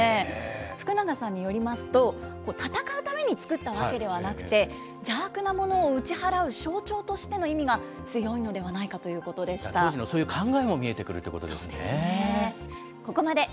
福永さんによりますと、戦うためにつくったわけではなくて、邪悪なものを打ち払う象徴としての意味が強いのではないかという当時のそういう考えも見えてそうですね。